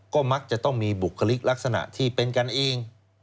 ก็มักจะต้องมีบุคลิกลักษณะที่เป็นกันเอง